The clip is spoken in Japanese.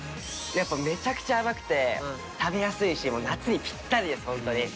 めちゃくちゃ甘くて食べやすいし夏にピッタリですホントに。